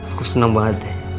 aku seneng banget yaa